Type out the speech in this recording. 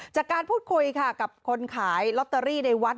จากการพูดคุยค่ะกับคนขายลอตเตอรี่ในวัด